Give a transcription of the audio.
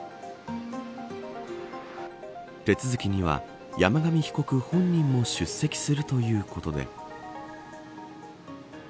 手続きには、山上被告本人も出席するということで。